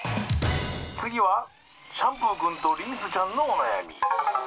「つぎはシャンプーくんとリンスちゃんのおなやみ」。